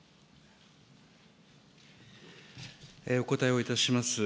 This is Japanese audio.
お答えをいたします。